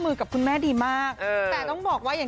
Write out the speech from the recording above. เดี๋ยวยูโชว์ที่มือยูสะอาดยัง